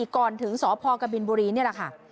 ก่อนถึงสพกบินบุรีนี่แหละค่ะ